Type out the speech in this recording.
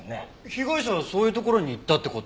被害者はそういう所に行ったって事？